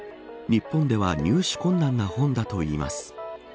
日本では入手困難な本だといいます。